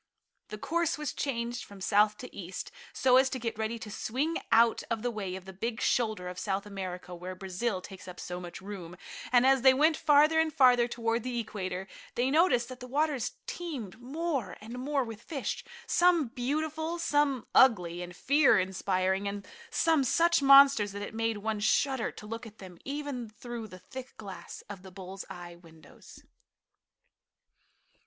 The course was changed from south to east, so as to get ready to swing out of the way of the big shoulder of South America where Brazil takes up so much room, and as they went farther and farther toward the equator, they noticed that the waters teemed more and more with fish, some beautiful, some ugly and fear inspiring, and some such monsters that it made one shudder to look at them, even through the thick glass of the bulls eye windows.